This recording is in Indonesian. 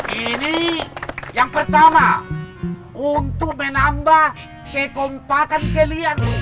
ini yang pertama untuk menambah kekompakan kalian